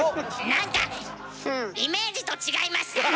なんかイメージと違いました。